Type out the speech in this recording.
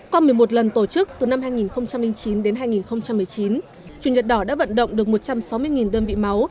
qua một mươi một lần tổ chức từ năm hai nghìn chín đến hai nghìn một mươi chín chủ nhật đỏ đã vận động được một trăm sáu mươi đơn vị máu